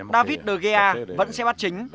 david de gea vẫn sẽ bắt chính